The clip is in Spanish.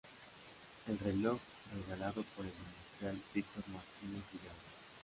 El reloj regalado por el Industrial Victor Martínez Villalba.